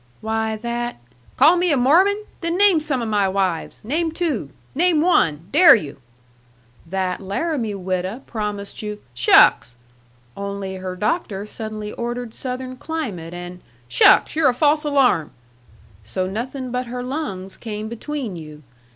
"Why, that " "Call me a Mormon? Then name some of my wives. Name two. Name one. Dare you!" " that Laramie wido' promised you ' "Shucks!" " only her doctor suddenly ordered Southern climate and " "Shucks! You're a false alarm." " so nothing but her lungs came between you.